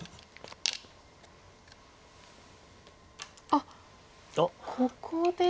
あっここで。